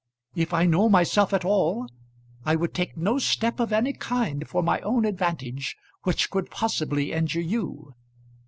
If I know myself at all I would take no step of any kind for my own advantage which could possibly injure you.